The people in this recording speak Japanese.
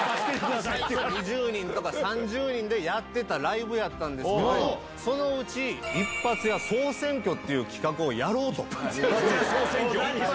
２０人とか３０人でやってたライブやったんですけど、そのうち、一発屋総選挙っていう企画を一発屋総選挙。